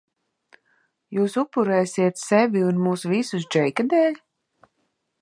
Jūs upurēsiet sevi un mūs visus Džeika dēļ?